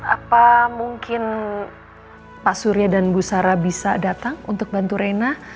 apa mungkin pak surya dan bu sarah bisa datang untuk bantu reina